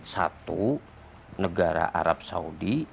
satu negara arab saudi